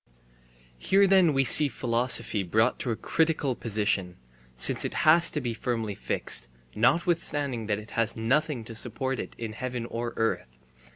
Here then we see philosophy brought to a critical position, since it has to be firmly fixed, notwithstanding that it has nothing to support it in heaven or earth.